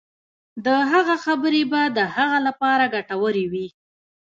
د هغه خبرې به د هغه لپاره ګټورې وي.